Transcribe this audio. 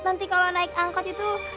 nanti kalau naik angkot itu